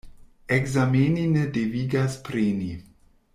Ekzameni ne devigas preni.